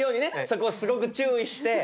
そこをすごく注意して。